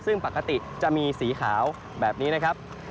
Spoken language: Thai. ซึ่งปกติจะมีสีขาวแบบนี้นะครับ